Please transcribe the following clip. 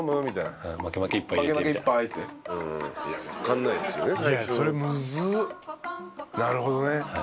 なるほどね。